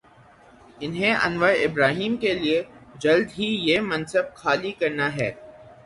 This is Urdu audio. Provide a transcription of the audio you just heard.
انہیں انور ابراہیم کے لیے جلد ہی یہ منصب خالی کر نا ہے۔